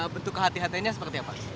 bentuk kehatiannya seperti apa